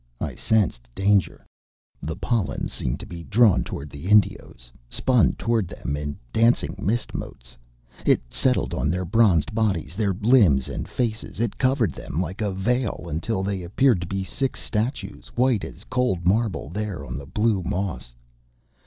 I sensed danger.... The pollen seemed to be drawn toward the Indios, spun toward them in dancing mist motes. It settled on their bronzed bodies, their limbs and faces. It covered them like a veil until they appeared to be six statues, white as cold marble, there on the blue moss.